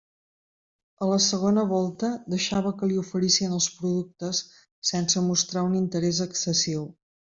A la segona volta deixava que li oferissin els productes sense mostrar un interès excessiu.